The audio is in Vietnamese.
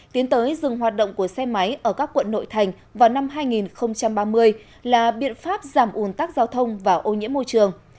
tiến tới dừng hoạt động của xe máy ở các quận nội thành vào năm hai nghìn ba mươi là biện pháp giảm ủn tắc giao thông và ô nhiễm môi trường